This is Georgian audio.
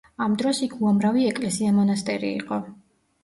ამ დროს იქ უამრავი ეკლესია-მონასტერი იყო.